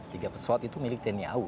tiga pesawat itu milik tni au